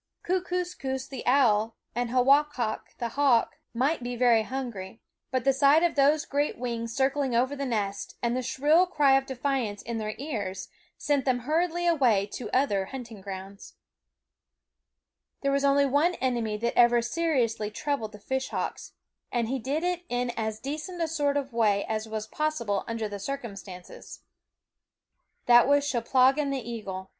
Kookoos ffie 92 /s/naQi/es the Fishhawk ^ SCHOOL OF koos the owl and Hawahak the hawk might be very hungry ; but the sight of those great wings circling over the nest and the shrill cry of defiance in their ears sent them hur riedly away to other hunting grounds. There was only one enemy that ever seri ously troubled the fishhawks ; and he did it in as decent a sort of way as was possible under the circumstances. That was Cheplahgan the eagle.